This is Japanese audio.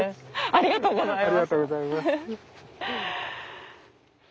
ありがとうございます。